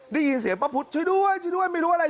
ได้ยินเสียงป้าพุทธช่วยด้วยช่วยด้วยไม่รู้อะไร